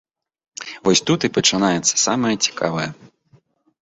Вось тут і пачынаецца самае цікавае.